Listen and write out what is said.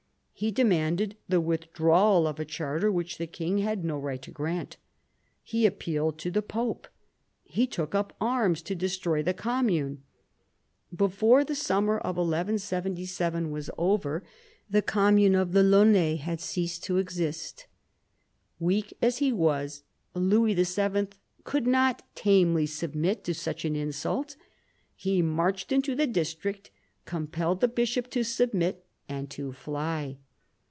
He demanded the with drawal of a charter which the king had no right to grant. He appealed to the Pope. He took up arms to destroy the commune. Before the summer of 1177 was over the v THE ADVANCE OF THE MONARCHY 143 commune of the Laonnais had ceased to exist. Weak as he was, Louis VII. could not tamely submit to such an insult. He marched into the district, compelled the bishop to submit and to fly.